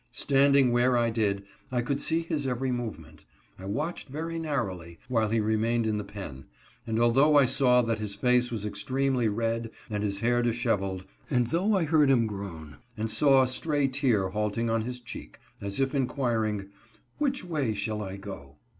Standing where I did, I could see his every movement. I watched very narrowly while he remained in the pen ; and although I saw that his face was extremely red, and his hair dishev eled, and though I heard him groan, and saw a stray tear halting on his cheek, as if inquiring, " which way shall I go